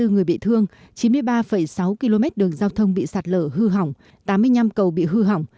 một trăm ba mươi bốn người bị thương chín mươi ba sáu km đường giao thông bị sạt lở hư hỏng tám mươi năm cầu bị hư hỏng